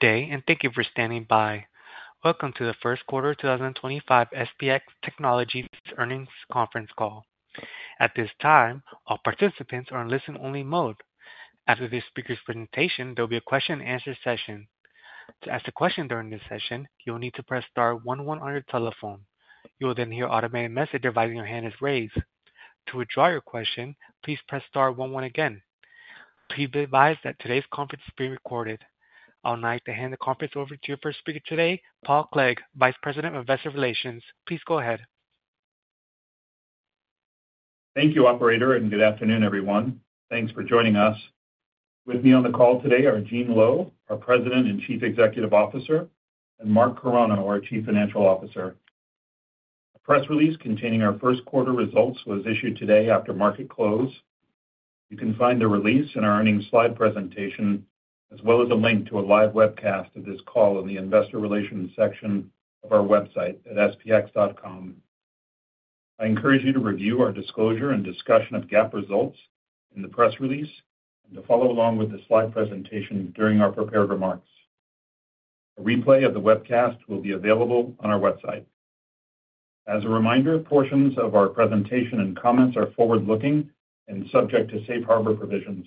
Good day, and thank you for standing by. Welcome to the First Quarter 2025 SPX Technologies Earnings Conference Call. At this time, all participants are in listen-only mode. After this speaker's presentation, there will be a question-and-answer session. To ask a question during this session, you will need to press star one, one on your telephone. You will then hear an automated message advising your hand is raised. To withdraw your question, please press star one, one again. Please be advised that today's conference is being recorded. I'll now like to hand the conference over to your first speaker today, Paul Clegg, Vice President of Investor Relations. Please go ahead. Thank you, Operator, and good afternoon, everyone. Thanks for joining us. With me on the call today are Gene Lowe, our President and Chief Executive Officer, and Mark Carano, our Chief Financial Officer. A press release containing our first quarter results was issued today after market close. You can find the release in our earnings slide presentation, as well as a link to a live webcast of this call in the Investor Relations section of our website at spx.com. I encourage you to review our disclosure and discussion of GAAP results in the press release and to follow along with the slide presentation during our prepared remarks. A replay of the webcast will be available on our website. As a reminder, portions of our presentation and comments are forward-looking and subject to safe harbor provisions.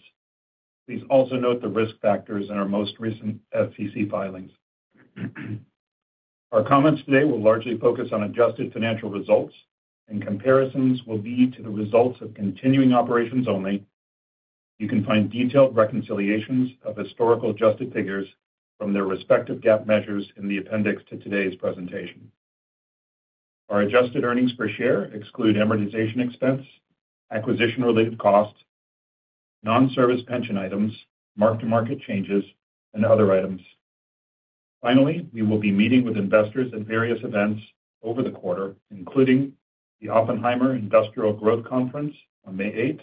Please also note the risk factors in our most recent SEC filings. Our comments today will largely focus on adjusted financial results, and comparisons will be to the results of continuing operations only. You can find detailed reconciliations of historical adjusted figures from their respective GAAP measures in the appendix to today's presentation. Our adjusted earnings per share exclude amortization expense, acquisition-related costs, non-service pension items, mark-to-market changes, and other items. Finally, we will be meeting with investors at various events over the quarter, including the Oppenheimer Industrial Growth Conference on May 8th,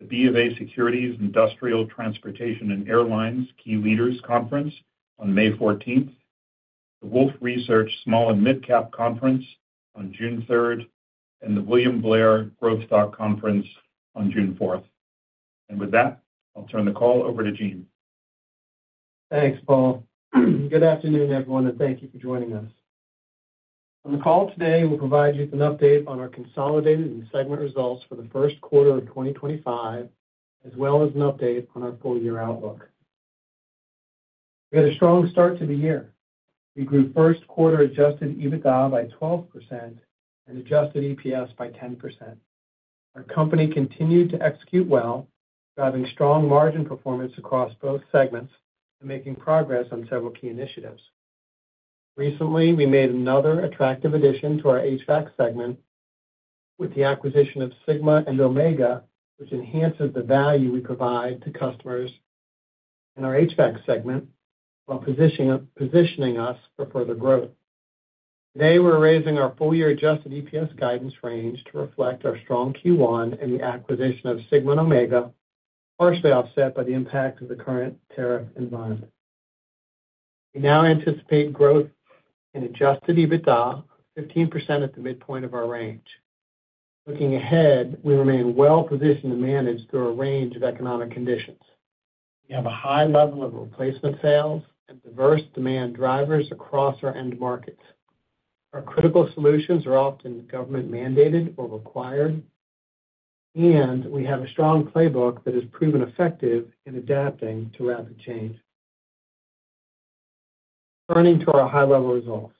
the BofA Securities Industrial Transportation and Airlines Key Leaders Conference on May 14th, the Wolfe Research Small and Mid-Cap Conference on June 3rd, and the William Blair Growth Stock Conference on June 4th. I will turn the call over to Gene. Thanks, Paul. Good afternoon, everyone, and thank you for joining us. On the call today, we'll provide you with an update on our consolidated and segment results for the first quarter of 2025, as well as an update on our full-year outlook. We had a strong start to the year. We grew first-quarter adjusted EBITDA by 12% and adjusted EPS by 10%. Our company continued to execute well, driving strong margin performance across both segments and making progress on several key initiatives. Recently, we made another attractive addition to our HVAC segment with the acquisition of Sigma & Omega, which enhances the value we provide to customers in our HVAC segment while positioning us for further growth. Today, we're raising our full-year adjusted EPS guidance range to reflect our strong Q1 and the acquisition of Sigma & Omega, partially offset by the impact of the current tariff environment. We now anticipate growth in adjusted EBITDA of 15% at the midpoint of our range. Looking ahead, we remain well-positioned to manage through a range of economic conditions. We have a high level of replacement sales and diverse demand drivers across our end markets. Our critical solutions are often government-mandated or required, and we have a strong playbook that has proven effective in adapting to rapid change. Turning to our high-level results.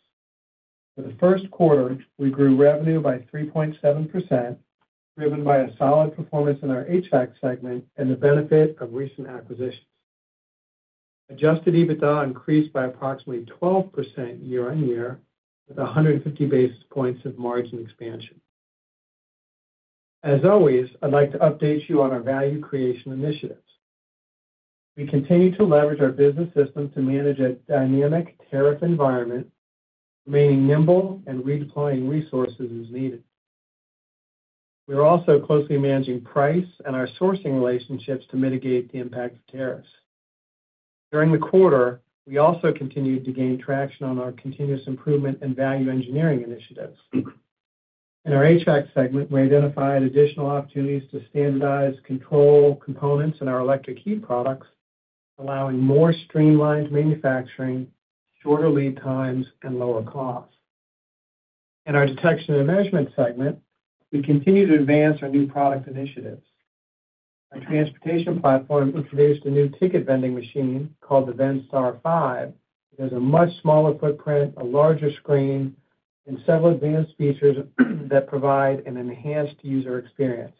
For the first quarter, we grew revenue by 3.7%, driven by a solid performance in our HVAC segment and the benefit of recent acquisitions. Adjusted EBITDA increased by approximately 12% year-on-year, with 150 basis points of margin expansion. As always, I'd like to update you on our value creation initiatives. We continue to leverage our business system to manage a dynamic tariff environment, remaining nimble and redeploying resources as needed. We are also closely managing price and our sourcing relationships to mitigate the impact of tariffs. During the quarter, we also continued to gain traction on our continuous improvement and value engineering initiatives. In our HVAC segment, we identified additional opportunities to standardize control components in our electric heat products, allowing more streamlined manufacturing, shorter lead times, and lower costs. In our Detection and Measurement segment, we continue to advance our new product initiatives. Our transportation platform introduced a new ticket vending machine called the Vendstar 5. It has a much smaller footprint, a larger screen, and several advanced features that provide an enhanced user experience.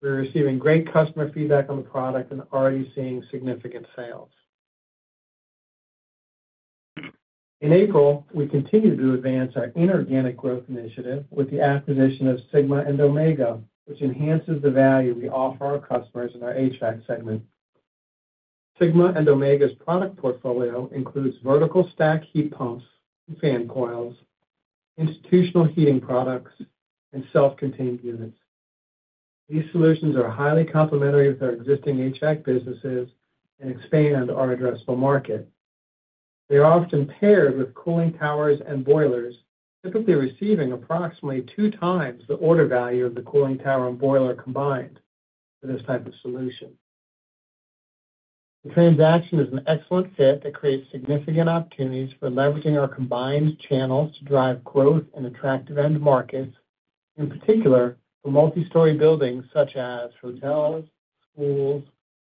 We're receiving great customer feedback on the product and already seeing significant sales. In April, we continued to advance our inorganic growth initiative with the acquisition of Sigma & Omega, which enhances the value we offer our customers in our HVAC segment. Sigma & Omega's product portfolio includes vertical stack heat pumps and fan coils, institutional heating products, and self-contained units. These solutions are highly complementary with our existing HVAC businesses and expand our addressable market. They are often paired with cooling towers and boilers, typically receiving approximately two times the order value of the cooling tower and boiler combined for this type of solution. The transaction is an excellent fit that creates significant opportunities for leveraging our combined channels to drive growth in attractive end markets, in particular for multi-story buildings such as hotels, schools,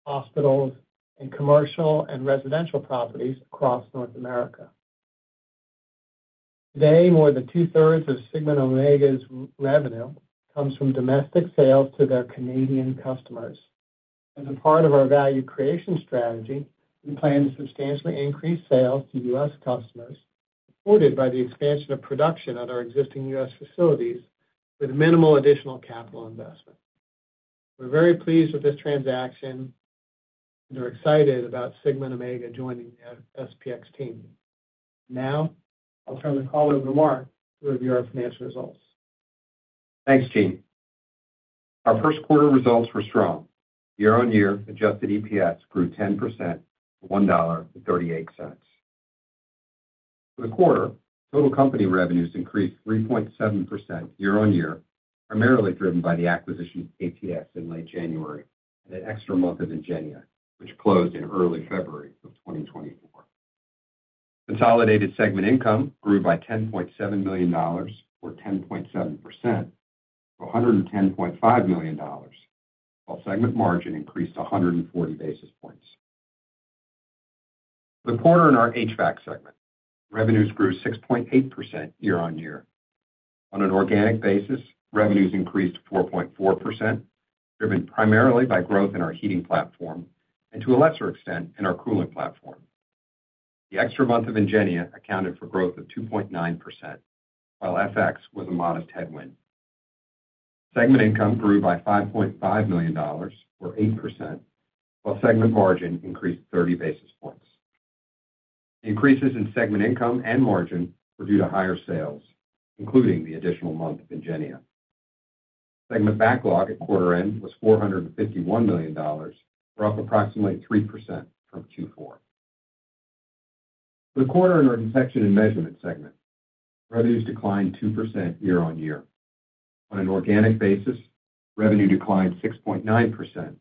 hospitals, and commercial and residential properties across North America. Today, more than 2/3 of Sigma & Omega's revenue comes from domestic sales to their Canadian customers. As a part of our value creation strategy, we plan to substantially increase sales to U.S. customers, supported by the expansion of production at our existing U.S. facilities with minimal additional capital investment. We're very pleased with this transaction and are excited about Sigma & Omega joining the SPX team. Now, I'll turn the call over to Mark to review our financial results. Thanks, Gene. Our first-quarter results were strong. Year-on-year, adjusted EPS grew 10% to $1.38. For the quarter, total company revenues increased 3.7% year-on-year, primarily driven by the acquisition of KTS in late January and an extra month of Ingenia, which closed in early February of 2024. Consolidated segment income grew by $10.7 million, or 10.7%, to $110.5 million, while segment margin increased 140 basis points. For the quarter in our HVAC segment, revenues grew 6.8% year-on-year. On an organic basis, revenues increased 4.4%, driven primarily by growth in our heating platform and, to a lesser extent, in our cooling platform. The extra month of Ingenia accounted for growth of 2.9%, while FX was a modest headwind. Segment Income grew by $5.5 million, or 8%, while segment Margin increased 30 basis points. Increases in segment Income and Margin were due to higher sales, including the additional month of Ingenia. Segment Backlog at quarter-end was $451 million, or up approximately 3% from Q4. For the quarter in our Detection and Measurement segment, revenues declined 2% year-on-year. On an organic basis, revenue declined 6.9%,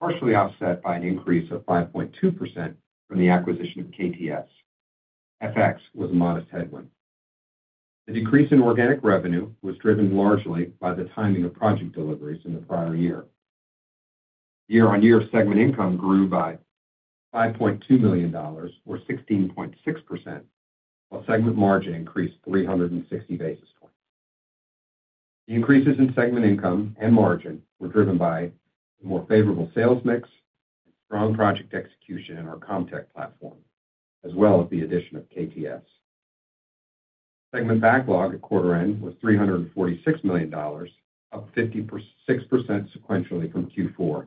partially offset by an increase of 5.2% from the acquisition of KTS. FX was a modest headwind. The decrease in organic revenue was driven largely by the timing of project deliveries in the prior year. Year-on-year segment Income grew by $5.2 million, or 16.6%, while segment Margin increased 360 basis points. The increases in segment Income and Margin were driven by a more favorable sales mix and strong project execution in our CommTech platform, as well as the addition of KTS. Segment Backlog at quarter-end was $346 million, up 56% sequentially from Q4,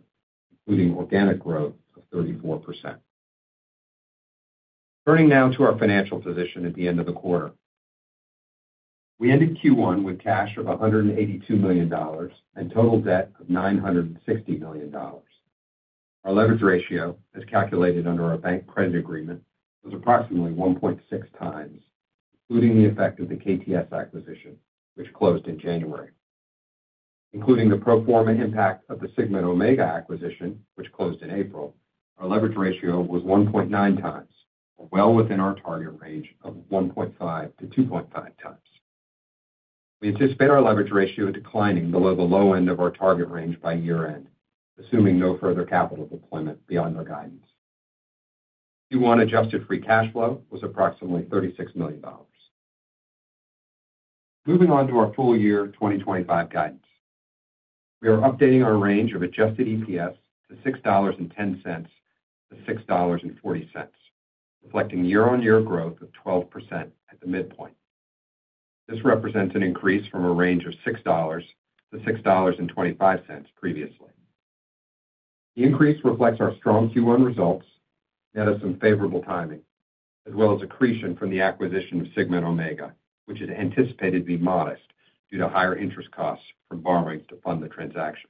including organic growth of 34%. Turning now to our financial position at the end of the quarter. We ended Q1 with cash of $182 million and total debt of $960 million. Our leverage ratio, as calculated under our bank credit agreement, was approximately 1.6x, including the effect of the KTS acquisition, which closed in January. Including the pro forma impact of the Sigma & Omega acquisition, which closed in April, our leverage ratio was 1.9x, well within our target range of 1.5x-2.5x. We anticipate our leverage ratio declining below the low end of our target range by year-end, assuming no further capital deployment beyond our guidance. Q1 adjusted free cash flow was approximately $36 million. Moving on to our full-year 2025 guidance. We are updating our range of adjusted EPS to $6.10-$6.40, reflecting year-on-year growth of 12% at the midpoint. This represents an increase from a range of $6-$6.25 previously. The increase reflects our strong Q1 results, net of some favorable timing, as well as accretion from the acquisition of Sigma & Omega, which is anticipated to be modest due to higher interest costs from borrowings to fund the transaction.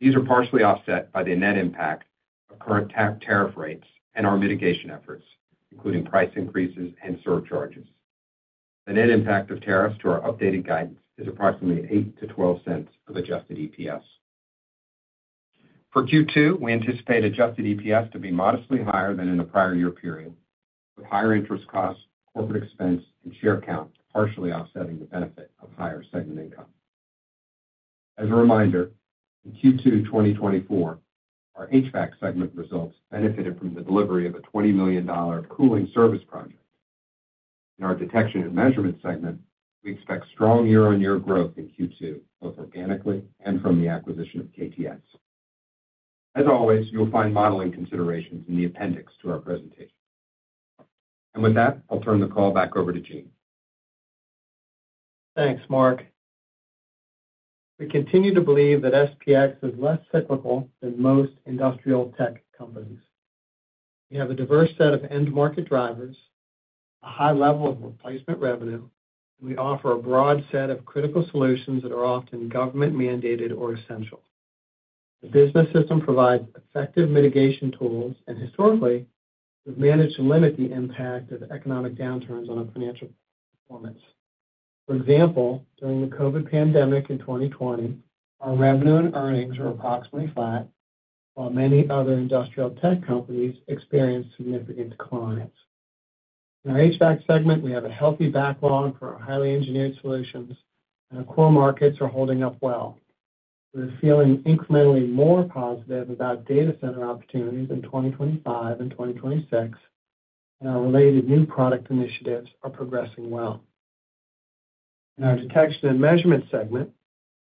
These are partially offset by the net impact of current tariff rates and our mitigation efforts, including price increases and surcharges. The net impact of tariffs to our updated guidance is approximately $0.08-$0.12 of adjusted EPS. For Q2, we anticipate adjusted EPS to be modestly higher than in the prior year period, with higher interest costs, corporate expense, and share count partially offsetting the benefit of higher segment income. As a reminder, in Q2 2024, our HVAC segment results benefited from the delivery of a $20 million cooling service project. In our Detection and Measurement segment, we expect strong year-on-year growth in Q2, both organically and from the acquisition of KTS. As always, you'll find modeling considerations in the appendix to our presentation. With that, I'll turn the call back over to Gene. Thanks, Mark. We continue to believe that SPX is less cyclical than most industrial tech companies. We have a diverse set of end market drivers, a high level of replacement revenue, and we offer a broad set of critical solutions that are often government-mandated or essential. The business system provides effective mitigation tools and, historically, we've managed to limit the impact of economic downturns on our financial performance. For example, during the COVID pandemic in 2020, our revenue and earnings were approximately flat, while many other industrial tech companies experienced significant declines. In our HVAC segment, we have a healthy backlog for our highly engineered solutions, and our core markets are holding up well. We're feeling incrementally more positive about data center opportunities in 2025 and 2026, and our related new product initiatives are progressing well. In our detection and measurement segment,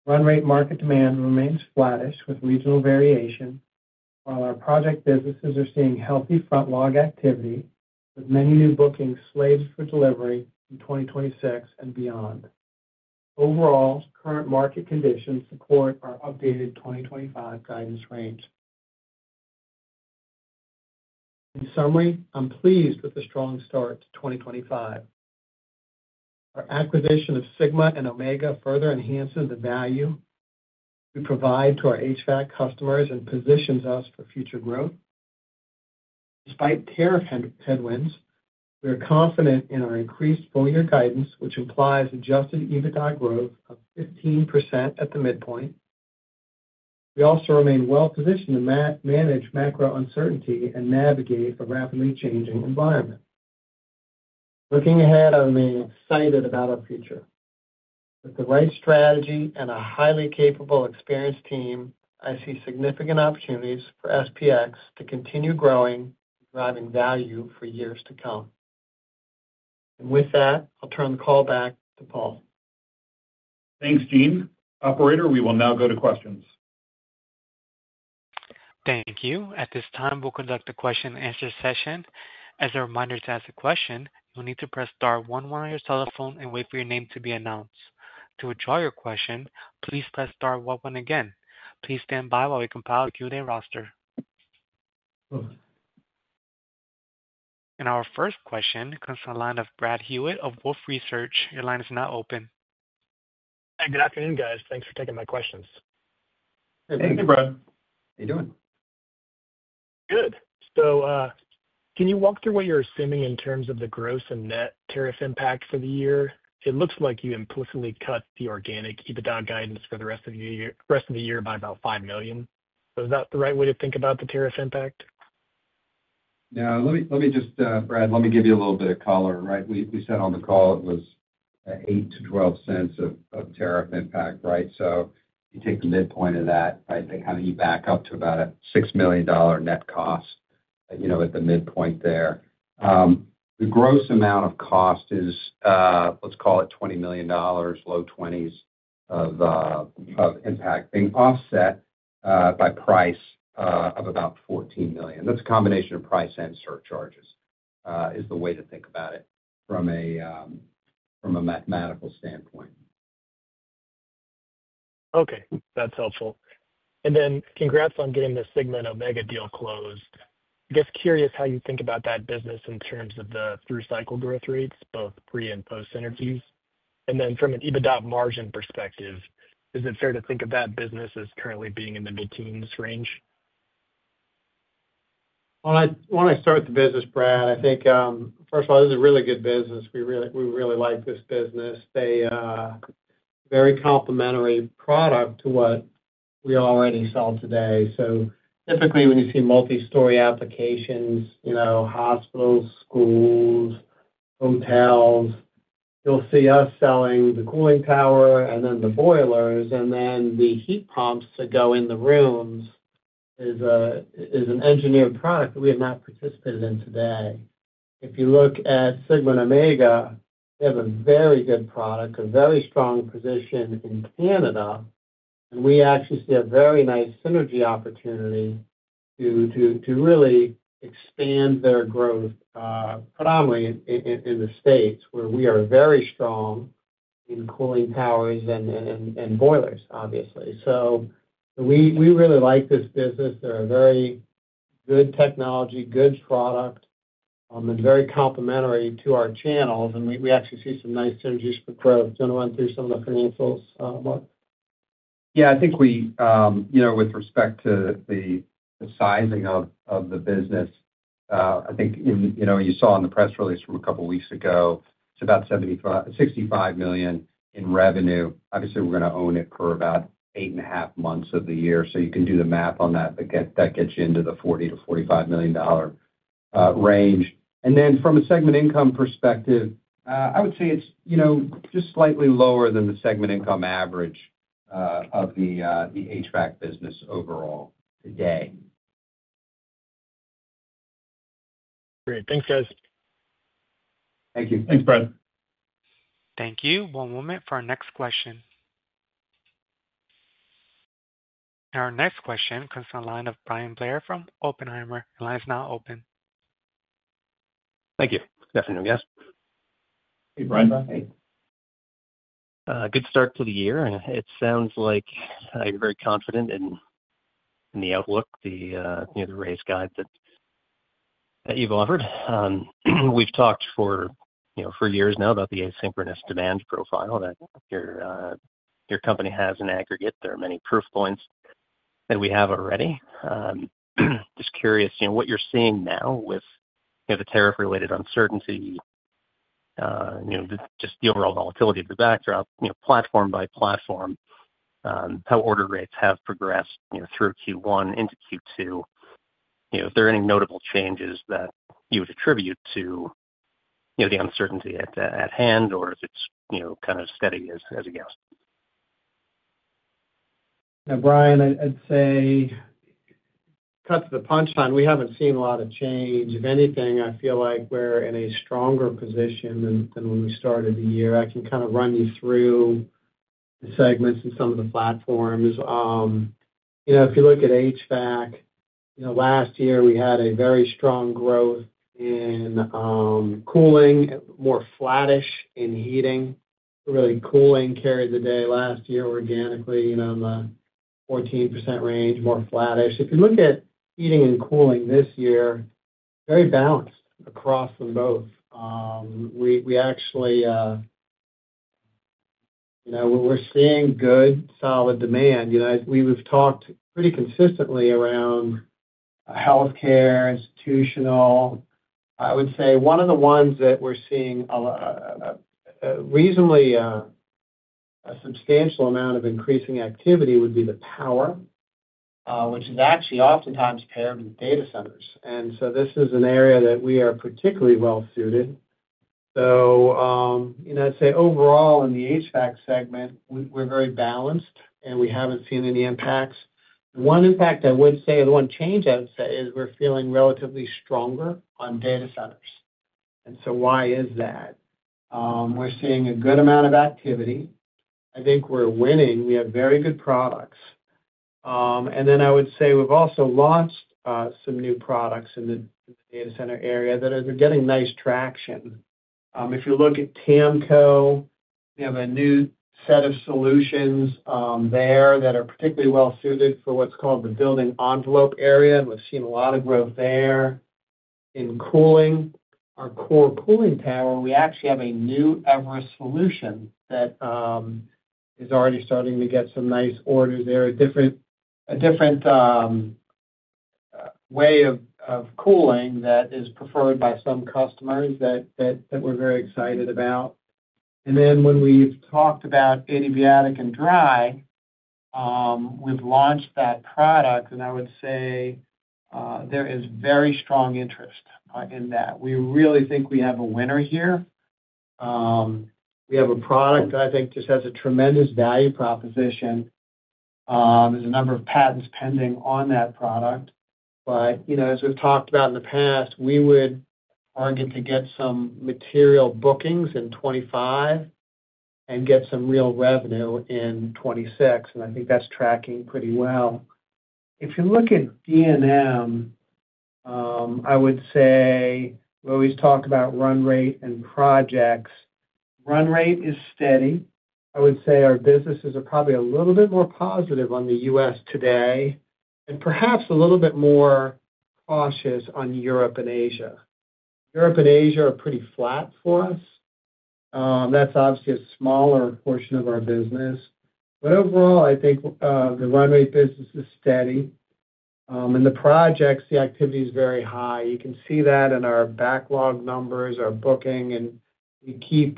run rate market demand remains flattish with regional variation, while our project businesses are seeing healthy front-log activity, with many new bookings slated for delivery in 2026 and beyond. Overall, current market conditions support our updated 2025 guidance range. In summary, I'm pleased with the strong start to 2025. Our acquisition of Sigma & Omega further enhances the value we provide to our HVAC customers and positions us for future growth. Despite tariff headwinds, we are confident in our increased full-year guidance, which implies adjusted EBITDA growth of 15% at the midpoint. We also remain well-positioned to manage macro uncertainty and navigate a rapidly changing environment. Looking ahead, I remain excited about our future. With the right strategy and a highly capable, experienced team, I see significant opportunities for SPX Technologies to continue growing and driving value for years to come. With that, I'll turn the call back to Paul. Thanks, Gene. Operator, we will now go to questions. Thank you. At this time, we'll conduct a question-and-answer session. As a reminder, to ask a question, you'll need to press star one, one on your cell phone and wait for your name to be announced. To withdraw your question, please press star one, one again. Please stand by while we compile a Q&A roster. Our first question comes from the line of Brad Hewitt of Wolfe Research. Your line is now open. Hi, good afternoon, guys. Thanks for taking my questions. Thank you, Brad. How you doing? Good. Can you walk through what you're assuming in terms of the gross and net tariff impact for the year? It looks like you implicitly cut the organic EBITDA guidance for the rest of the year by about $5 million. Is that the right way to think about the tariff impact? Yeah. Let me just, Brad, let me give you a little bit of color, right? We said on the call it was $0.08-$0.12 of tariff impact, right? You take the midpoint of that, right? You back up to about a $6 million net cost, you know, at the midpoint there. The gross amount of cost is, let's call it $20 million, low 20s of impact, being offset by price of about $14 million. That's a combination of price and surcharges is the way to think about it from a mathematical standpoint. Okay. That's helpful. Congrats on getting the Sigma & Omega deal closed. I guess curious how you think about that business in terms of the through-cycle growth rates, both pre and post-energies. From an EBITDA margin perspective, is it fair to think of that business as currently being in the mid-teens range? I want to start the business, Brad. I think, first of all, this is a really good business. We really like this business. They are a very complementary product to what we already sell today. Typically, when you see multi-story applications, you know, hospitals, schools, hotels, you'll see us selling the cooling tower and then the boilers and then the heat pumps that go in the rooms is an engineered product that we have not participated in today. If you look at Sigma & Omega, they have a very good product, a very strong position in Canada, and we actually see a very nice synergy opportunity to really expand their growth predominantly in the States, where we are very strong in cooling towers and boilers, obviously. We really like this business. They're a very good technology, good product, and very complementary to our channels, and we actually see some nice synergies for growth. Do you want to run through some of the financials, Mark? Yeah. I think we, you know, with respect to the sizing of the business, I think, you know, you saw in the press release from a couple of weeks ago, it's about $65 million in revenue. Obviously, we're going to own it for about eight and a half months of the year. You can do the math on that, but that gets you into the $40-$45 million range. From a segment income perspective, I would say it's, you know, just slightly lower than the segment income average of the HVAC business overall today. Great. Thanks, guys. Thank you. Thanks, Brad. Thank you. One moment for our next question. Our next question comes from the line of Bryan Blair from Oppenheimer. The line is now open. Thank you. Good afternoon, guys. Hey, Bryan. Good start to the year. It sounds like you're very confident in the outlook, the raise guide that you've offered. We've talked for years now about the asynchronous demand profile that your company has in aggregate. There are many proof points that we have already. Just curious, you know, what you're seeing now with the tariff-related uncertainty, you know, just the overall volatility of the backdrop, you know, platform by platform, how order rates have progressed, you know, through Q1 into Q2. You know, if there are any notable changes that you would attribute to, you know, the uncertainty at hand or if it's, you know, kind of steady as a guess. Yeah, Brian, I'd say to cut to the punchline, we haven't seen a lot of change. If anything, I feel like we're in a stronger position than when we started the year. I can kind of run you through the segments and some of the platforms. You know, if you look at HVAC, you know, last year we had very strong growth in cooling, more flattish in heating. Really, cooling carried the day last year organically, you know, in the 14% range, more flattish. If you look at heating and cooling this year, very balanced across them both. We actually, you know, we're seeing good solid demand. You know, we've talked pretty consistently around healthcare, institutional. I would say one of the ones that we're seeing a reasonably substantial amount of increasing activity would be the power, which is actually oftentimes paired with data centers. This is an area that we are particularly well suited. You know, I'd say overall in the HVAC segment, we're very balanced and we haven't seen any impacts. The one impact I would say, the one change I would say, is we're feeling relatively stronger on data centers. Why is that? We're seeing a good amount of activity. I think we're winning. We have very good products. I would say we've also launched some new products in the data center area that are getting nice traction. If you look at TAMCO, we have a new set of solutions there that are particularly well suited for what's called the building envelope area, and we've seen a lot of growth there. In cooling, our core cooling tower, we actually have a new Everest solution that is already starting to get some nice orders there, a different way of cooling that is preferred by some customers that we're very excited about. When we've talked about adiabatic and dry, we've launched that product, and I would say there is very strong interest in that. We really think we have a winner here. We have a product that I think just has a tremendous value proposition. There's a number of patents pending on that product. You know, as we've talked about in the past, we would argue to get some material bookings in 2025 and get some real revenue in 2026. I think that's tracking pretty well. If you look at D&M, I would say we always talk about run rate and projects. Run rate is steady. I would say our businesses are probably a little bit more positive on the U.S. today and perhaps a little bit more cautious on Europe and Asia. Europe and Asia are pretty flat for us. That is obviously a smaller portion of our business. Overall, I think the run rate business is steady. The projects, the activity is very high. You can see that in our backlog numbers, our booking, and we keep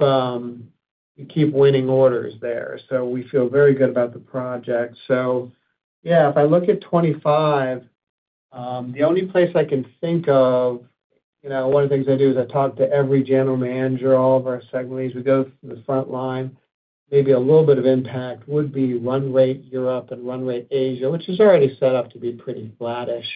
winning orders there. We feel very good about the project. If I look at 2025, the only place I can think of, you know, one of the things I do is I talk to every general manager, all of our segment leads. We go through the front line. Maybe a little bit of impact would be run rate Europe and run rate Asia, which is already set up to be pretty flattish.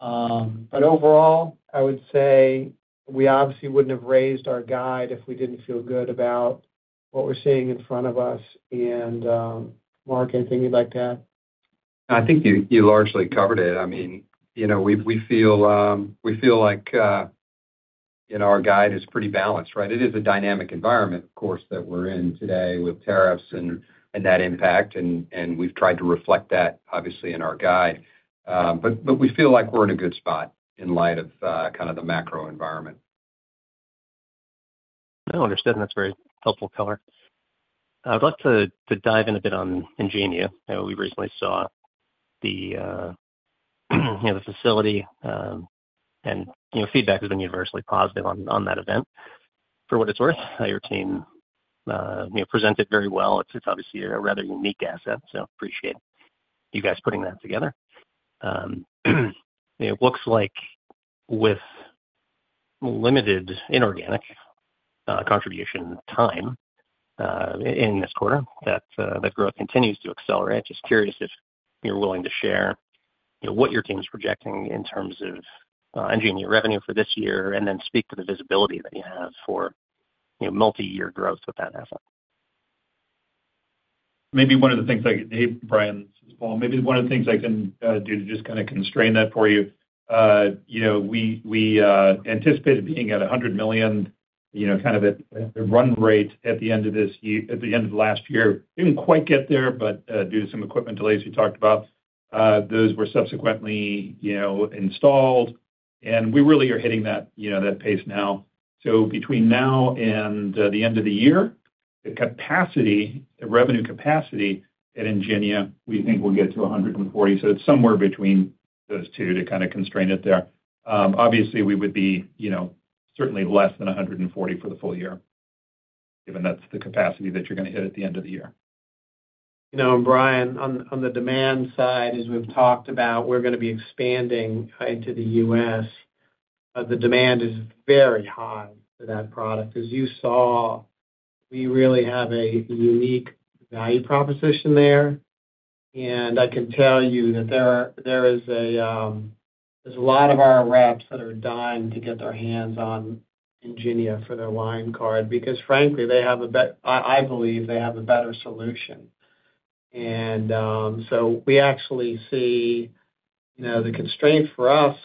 Overall, I would say we obviously wouldn't have raised our guide if we didn't feel good about what we're seeing in front of us. Mark, anything you'd like to add? I think you largely covered it. I mean, you know, we feel like, you know, our guide is pretty balanced, right? It is a dynamic environment, of course, that we're in today with tariffs and that impact, and we've tried to reflect that obviously in our guide. We feel like we're in a good spot in light of kind of the macro environment. No, understood. That's very helpful color. I'd love to dive in a bit on Ingenia. We recently saw the facility, and feedback has been universally positive on that event. For what it's worth, your team presented very well. It's obviously a rather unique asset, so I appreciate you guys putting that together. It looks like with limited inorganic contribution time in this quarter, that growth continues to accelerate. Just curious if you're willing to share what your team's projecting in terms of Ingenia revenue for this year and then speak to the visibility that you have for multi-year growth with that asset. Maybe one of the things I can, hey, Brian, Paul, maybe one of the things I can do to just kind of constrain that for you, you know, we anticipated being at $100 million, you know, kind of at the run rate at the end of this, at the end of last year. Didn't quite get there, but due to some equipment delays we talked about, those were subsequently, you know, installed. You know, we really are hitting that pace now. Between now and the end of the year, the capacity, the revenue capacity at Ingenia, we think we'll get to $140 million. It's somewhere between those two to kind of constrain it there. Obviously, we would be, you know, certainly less than $140 million for the full year, given that's the capacity that you're going to hit at the end of the year. You know, Brian, on the demand side, as we've talked about, we're going to be expanding into the U.S. The demand is very high for that product. As you saw, we really have a unique value proposition there. I can tell you that there is a lot of our reps that are dying to get their hands on Ingenia for their line card because, frankly, they have a better, I believe they have a better solution. We actually see, you know, the constraint for us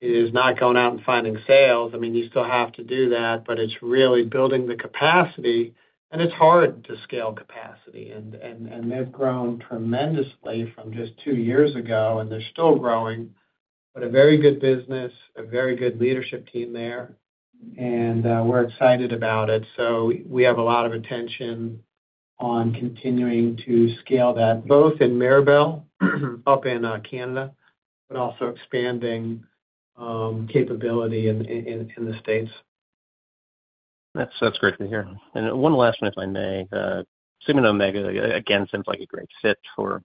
is not going out and finding sales. I mean, you still have to do that, but it's really building the capacity. It's hard to scale capacity. They have grown tremendously from just two years ago, and they're still growing. A very good business, a very good leadership team there. We're excited about it. We have a lot of attention on continuing to scale that, both in Mirabel, up in Canada, but also expanding capability in the U.S. That's great to hear. One last one, if I may. Sigma & Omega again seems like a great fit for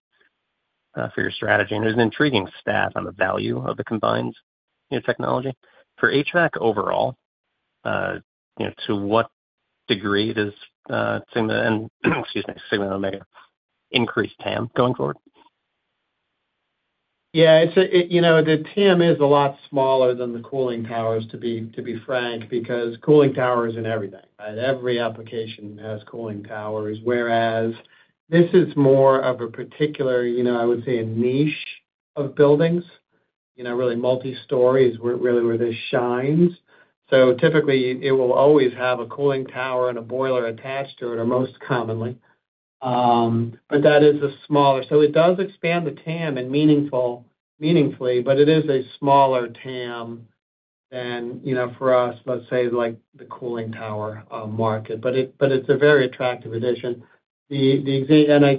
your strategy. There's an intriguing stat on the value of the combined technology. For HVAC overall, you know, to what degree does Sigma and, excuse me, Sigma and Omega increase TAM going forward? Yeah. You know, the TAM is a lot smaller than the cooling towers, to be frank, because cooling towers in everything, right? Every application has cooling towers, whereas this is more of a particular, you know, I would say a niche of buildings, you know, really multi-stories really where this shines. Typically, it will always have a cooling tower and a boiler attached to it, or most commonly. That is a smaller. It does expand the TAM meaningfully, but it is a smaller TAM than, you know, for us, let's say like the cooling tower market. It is a very attractive addition. That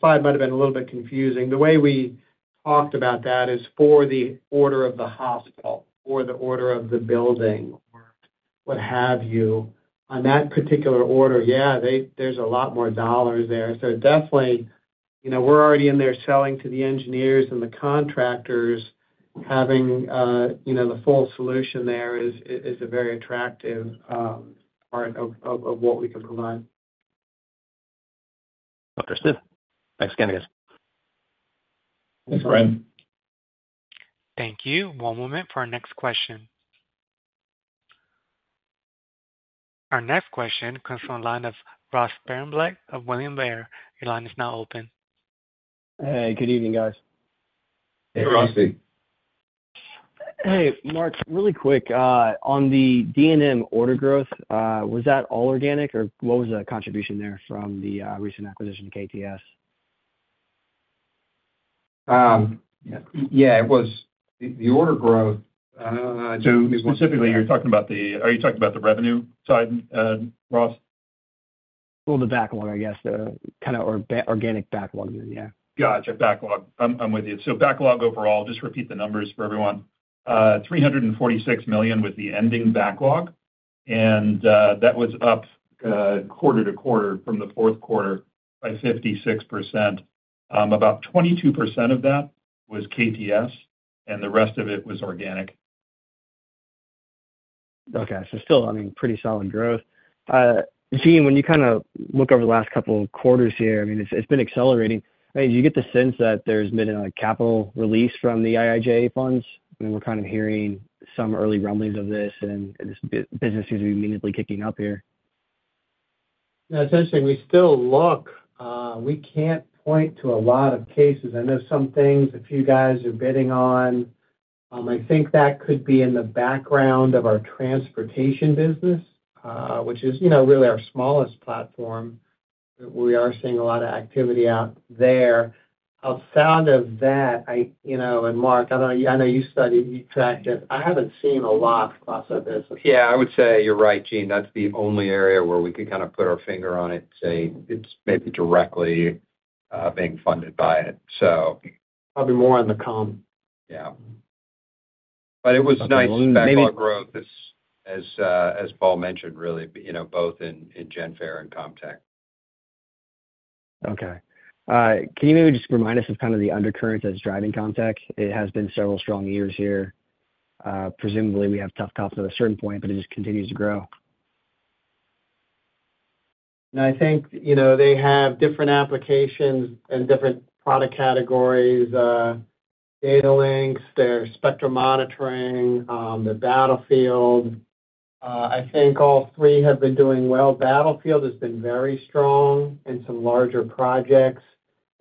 slide might have been a little bit confusing. The way we talked about that is for the order of the hospital, or the order of the building, or what have you. On that particular order, yeah, there's a lot more dollars there. Definitely, you know, we're already in there selling to the engineers and the contractors, having, you know, the full solution there is a very attractive part of what we can provide. Understood. Thanks again, guys. Thanks, Brian. Thank you. One moment for our next question. Our next question comes from the line of Ross Sparenblek of William Blair. Your line is now open. Hey, good evening, guys. Hey, Ross. Hey, Mark. Really quick, on the D&M order growth, was that all organic or what was the contribution there from the recent acquisition of KTS? Yeah, it was the order growth. Specifically, you're talking about the, are you talking about the revenue side, Ross? The backlog, I guess, the kind of organic backlog, yeah. Gotcha. Backlog. I'm with you. Backlog overall, just repeat the numbers for everyone. $346 million with the ending backlog. That was up quarter to quarter from the fourth quarter by 56%. About 22% of that was KTS, and the rest of it was organic. Okay. Still, I mean, pretty solid growth. Gene, when you kind of look over the last couple of quarters here, I mean, it's been accelerating. I mean, do you get the sense that there's been a capital release from the IIJA funds? I mean, we're kind of hearing some early rumblings of this, and this business seems to be meaningfully kicking up here. Yeah, essentially, we still look. We can't point to a lot of cases. I know some things a few guys are bidding on. I think that could be in the background of our transportation business, which is, you know, really our smallest platform. We are seeing a lot of activity out there. Outside of that, you know, and Mark, I know you studied, you tracked it. I haven't seen a lot across our business. Yeah, I would say you're right, Gene. That's the only area where we could kind of put our finger on it, say, it's maybe directly being funded by it, so. Probably more on the comm. Yeah. It was nice backlog growth, as Paul mentioned, really, you know, both in Genfare and CommTech. Okay. Can you maybe just remind us of kind of the undercurrent that's driving CommTech? It has been several strong years here. Presumably, we have tough comps at a certain point, but it just continues to grow. I think, you know, they have different applications and different product categories: data links, their spectrum monitoring, the battlefield. I think all three have been doing well. Battlefield has been very strong in some larger projects.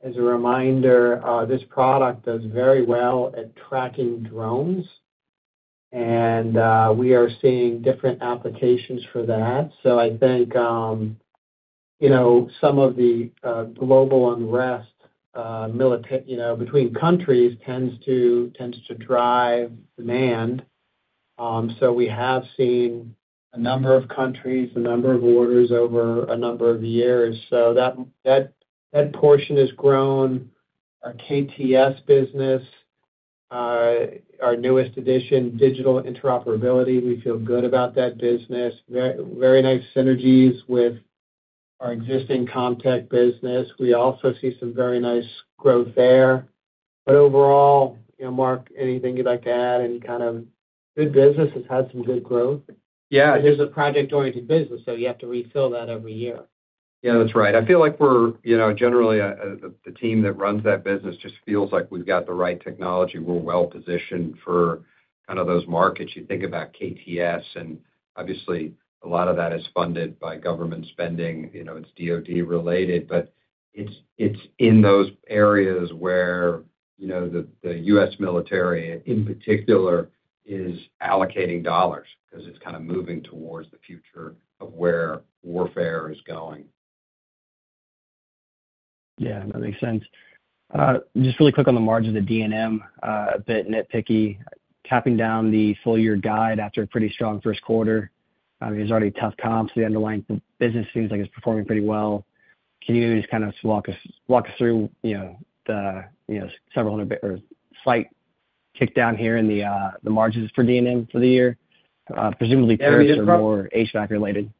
As a reminder, this product does very well at tracking drones. We are seeing different applications for that. I think, you know, some of the global unrest, you know, between countries tends to drive demand. We have seen a number of countries, a number of orders over a number of years. That portion has grown. Our KTS business, our newest addition, digital interoperability, we feel good about that business. Very nice synergies with our existing CommTech business. We also see some very nice growth there. Overall, you know, Mark, anything you'd like to add? Any kind of good business has had some good growth. Yeah. Here's a project-oriented business, so you have to refill that every year. Yeah, that's right. I feel like we're, you know, generally, the team that runs that business just feels like we've got the right technology. We're well positioned for kind of those markets. You think about KTS, and obviously, a lot of that is funded by government spending. You know, it's DOD related, but it's in those areas where, you know, the U.S. military in particular is allocating dollars because it's kind of moving towards the future of where warfare is going. Yeah, that makes sense. Just really quick on the margin of the D&M, a bit nitpicky. Tapping down the full-year guide after a pretty strong first quarter. I mean, there's already tough comps. The underlying business seems like it's performing pretty well. Can you maybe just kind of walk us through, you know, the, you know, several hundred or slight kickdown here in the margins for D&M for the year? Presumably, more HVAC related.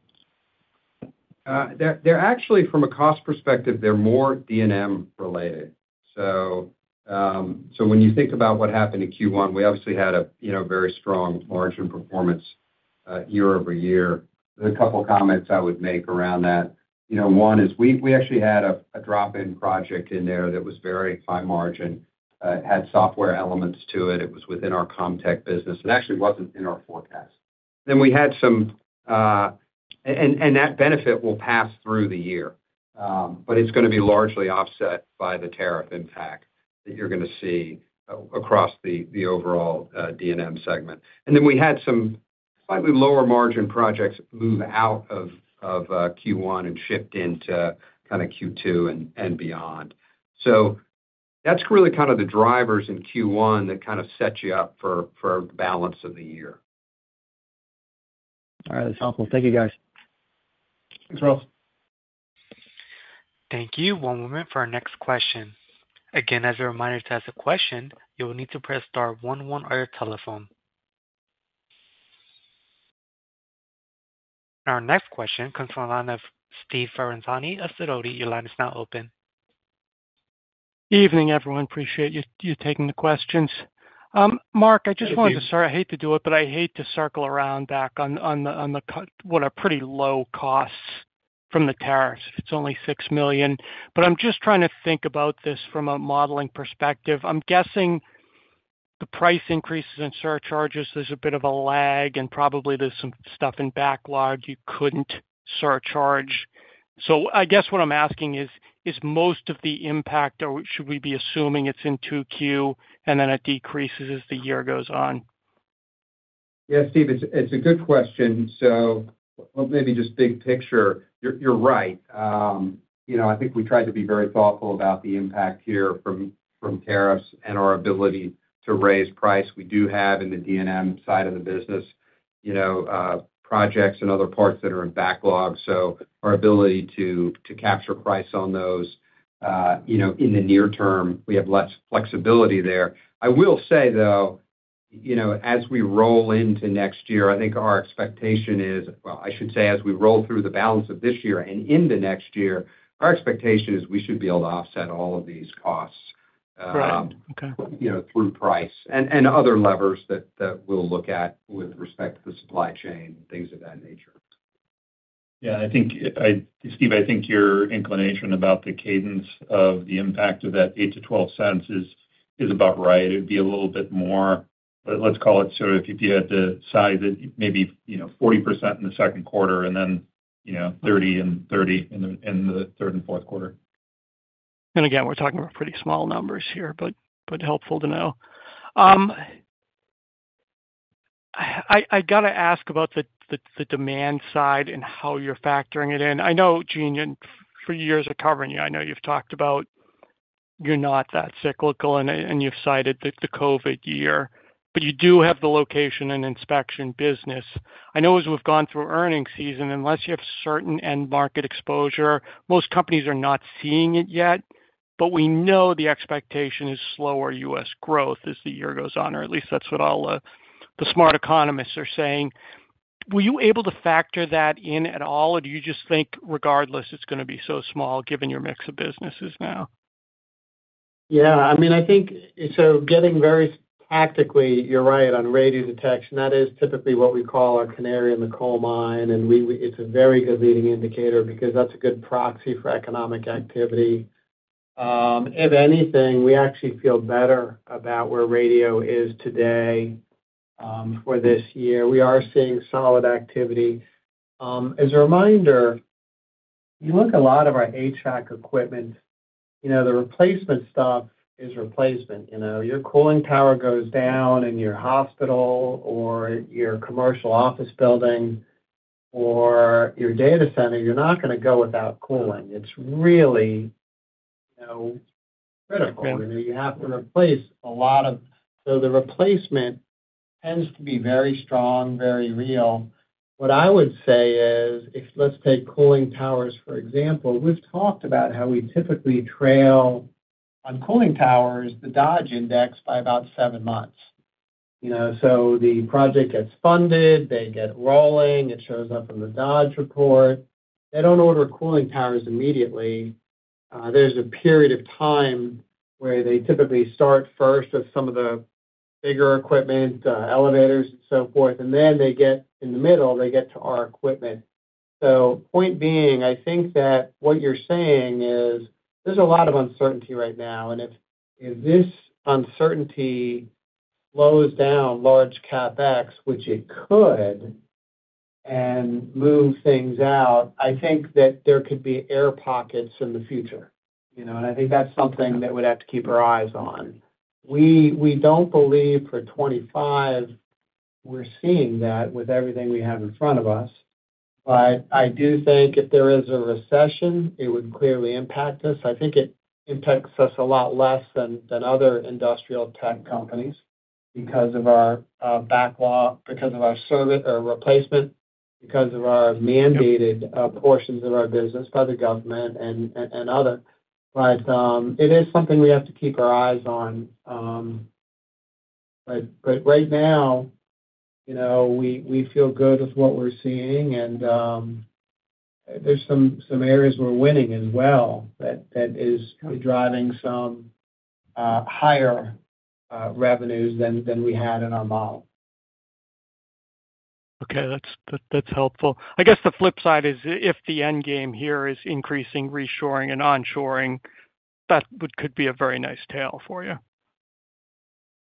They're actually, from a cost perspective, they're more D&M related. So when you think about what happened in Q1, we obviously had a, you know, very strong margin performance year-over-year. There's a couple of comments I would make around that. You know, one is we actually had a drop-in project in there that was very high margin, had software elements to it. It was within our CommTech business. It actually wasn't in our forecast. Then we had some, and that benefit will pass through the year, but it's going to be largely offset by the tariff impact that you're going to see across the overall D&M segment. And then we had some slightly lower margin projects move out of Q1 and shift into kind of Q2 and beyond. That's really kind of the drivers in Q1 that kind of set you up for the balance of the year. All right. That's helpful. Thank you, guys. Thanks, Ross. Thank you. One moment for our next question. Again, as a reminder to ask a question, you will need to press star one, one on your telephone. Our next question comes from the line of Steve Ferazani of Sidoti. Your line is now open. Evening, everyone. Appreciate you taking the questions. Mark, I just wanted to start. I hate to do it, but I hate to circle around back on the, what, a pretty low cost from the tariffs. It's only $6 million. I'm just trying to think about this from a modeling perspective. I'm guessing the price increases and surcharges, there's a bit of a lag, and probably there's some stuff in backlog you couldn't surcharge. I guess what I'm asking is, is most of the impact, or should we be assuming it's in 2Q and then it decreases as the year goes on? Yeah, Steve, it's a good question. Maybe just big picture, you're right. You know, I think we tried to be very thoughtful about the impact here from tariffs and our ability to raise price. We do have in the D&M side of the business, you know, projects and other parts that are in backlog. So our ability to capture price on those, you know, in the near term, we have less flexibility there. I will say, though, you know, as we roll into next year, I think our expectation is, I should say as we roll through the balance of this year and into next year, our expectation is we should be able to offset all of these costs, you know, through price and other levers that we'll look at with respect to the supply chain and things of that nature. Yeah. I think, Steve, I think your inclination about the cadence of the impact of that 8-12 cents is about right. It would be a little bit more, let's call it sort of if you had to size it maybe, you know, 40% in the second quarter and then, you know, 30 and 30 in the third and fourth quarter. We're talking about pretty small numbers here, but helpful to know. I got to ask about the demand side and how you're factoring it in. I know, Gene, for years of covering you, I know you've talked about you're not that cyclical, and you've cited the COVID year. You do have the location and inspection business. I know as we've gone through earnings season, unless you have certain end market exposure, most companies are not seeing it yet. We know the expectation is slower U.S. growth as the year goes on, or at least that's what all the smart economists are saying. Were you able to factor that in at all, or do you just think regardless it's going to be so small given your mix of businesses now? Yeah. I mean, I think so getting very tactically, you're right on radio detection. That is typically what we call our canary in the coal mine. And it's a very good leading indicator because that's a good proxy for economic activity. If anything, we actually feel better about where radio is today for this year. We are seeing solid activity. As a reminder, you look at a lot of our HVAC equipment, you know, the replacement stuff is replacement. You know, your cooling tower goes down in your hospital or your commercial office building or your data center, you're not going to go without cooling. It's really, you know, critical. You have to replace a lot of, so the replacement tends to be very strong, very real. What I would say is, if let's take cooling towers, for example, we've talked about how we typically trail on cooling towers the Dodge index by about seven months. You know, so the project gets funded, they get rolling, it shows up in the Dodge report. They don't order cooling towers immediately. There's a period of time where they typically start first with some of the bigger equipment, elevators and so forth, and then they get in the middle, they get to our equipment. Point being, I think that what you're saying is there's a lot of uncertainty right now. If this uncertainty slows down large CapEx, which it could, and move things out, I think that there could be air pockets in the future. You know, and I think that's something that we'd have to keep our eyes on. We don't believe for 2025 we're seeing that with everything we have in front of us. I do think if there is a recession, it would clearly impact us. I think it impacts us a lot less than other industrial tech companies because of our backlog, because of our replacement, because of our mandated portions of our business by the government and other. It is something we have to keep our eyes on. Right now, you know, we feel good with what we're seeing, and there's some areas we're winning as well that is driving some higher revenues than we had in our model. Okay. That's helpful. I guess the flip side is if the end game here is increasing reshoring and onshoring, that could be a very nice tail for you.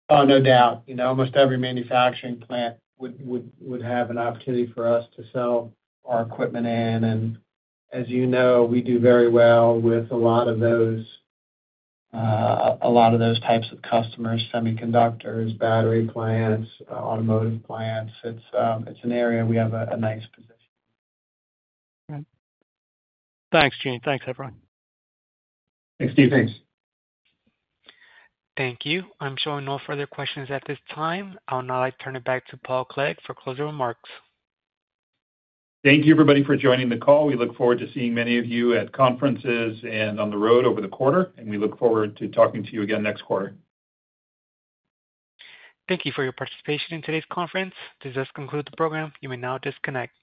Oh, no doubt. You know, almost every manufacturing plant would have an opportunity for us to sell our equipment in. And as you know, we do very well with a lot of those, a lot of those types of customers, semiconductors, battery plants, automotive plants. It's an area we have a nice position. Okay. Thanks, Gene. Thanks, everyone. Thanks, Steve. Thanks. Thank you. I'm showing no further questions at this time. I'll now turn it back to Paul Clegg for closing remarks. Thank you, everybody, for joining the call. We look forward to seeing many of you at conferences and on the road over the quarter, and we look forward to talking to you again next quarter. Thank you for your participation in today's conference. To just conclude the program, you may now disconnect.